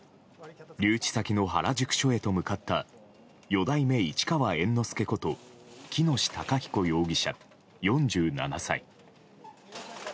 留置先の原宿署へと向かった四代目市川猿之助こと喜熨斗孝彦容疑者、４７歳。